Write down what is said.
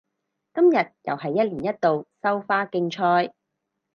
今日又係一年一度收花競賽